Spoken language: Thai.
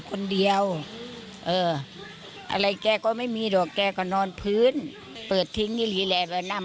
คนเดียวเอออะไรแกก็ไม่มีหรอกแกก็นอนพื้นเปิดทิ้งนี่แหละว่านำ